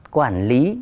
quản lý của chúng ta là